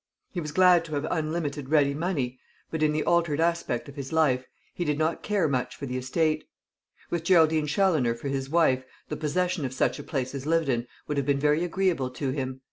He was glad to have unlimited ready money, but, in the altered aspect of his life, he did not care much for the estate. With Geraldine Challoner for his wife, the possession of such a place as Lyvedon would have been very agreeable to him.